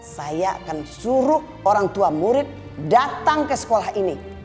saya akan suruh orang tua murid datang ke sekolah ini